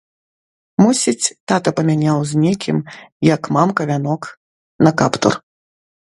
Мусіць, тата памяняў з некім, як мамка вянок на каптур.